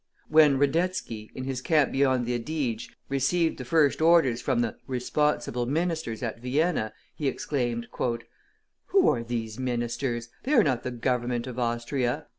When Radetzky, in his camp beyond the Adige, received the first orders from the "responsible ministers" at Vienna, he exclaimed: "Who are these ministers? They are not the Government of Austria!